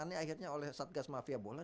ini akhirnya oleh satgas mafia bola